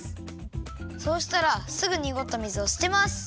そうしたらすぐにごった水をすてます。